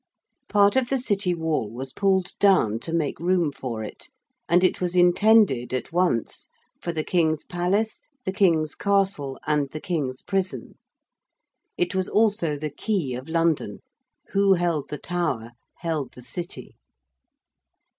Part of the City wall was pulled down to make room for it, and it was intended at once for the King's Palace, the King's Castle, and the King's Prison. It was also the key of London who held the Tower, held the City.